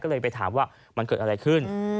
ก็เลยไปถามว่ามันเกิดอะไรขึ้น